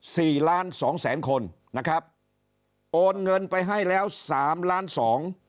สี่ล้านสองแสนคนนะครับโอนเงินไปให้แล้วสามล้านสอง